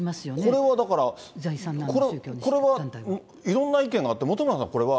これはだからいろんな意見があって、本村さん、これは。